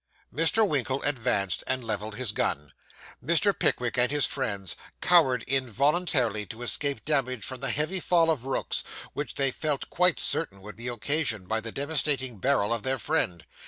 Mr. Winkle advanced, and levelled his gun. Mr. Pickwick and his friends cowered involuntarily to escape damage from the heavy fall of rooks, which they felt quite certain would be occasioned by the devastating barrel of their friend.